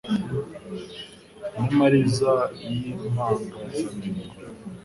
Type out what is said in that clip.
N' amariza y' Impangazamihigo